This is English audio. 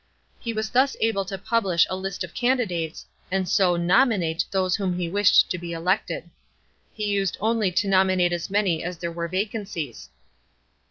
He was thus able to publish a list of candidates, and so " nominate " those whom he wished to be elected. He used only to nominate as ma y as there were vacancies.